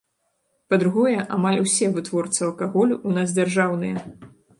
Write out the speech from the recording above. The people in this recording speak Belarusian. Па-другое, амаль усе вытворцы алкаголю ў нас дзяржаўныя.